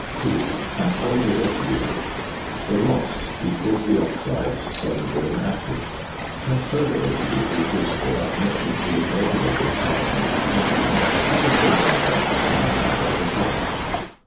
Cool, and weigh the residue. The loss equals the oxides soluble in acid. Transfer the residue to the crucible and mix it with its own weight of cyanide of potassium; add a similar amount of "cyanide" as a cover.